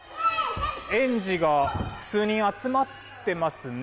園児が数人集まっていますね。